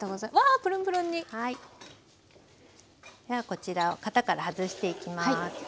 こちらを型から外していきます。